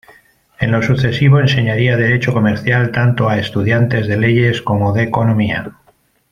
En lo sucesivo enseñaría derecho comercial tanto a estudiantes de leyes como de economía.